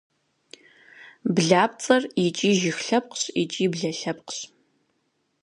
Блапцӏэр икӏи жыг лъэпкъщ, икӏи блэ лъэпкъщ.